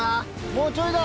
もうちょいだ。